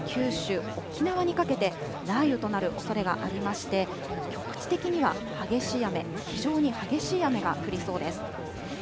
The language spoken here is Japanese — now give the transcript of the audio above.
東北から九州、沖縄にかけて、雷雨となるおそれがありまして、局地的には激しい雨、非常に激しい雨が降りそうです。